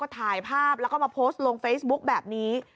ถ่ายภาพแล้วก็มาโพสต์ลงเฟซบุ๊กแบบนี้